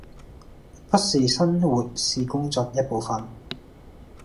不是生活是工作一部分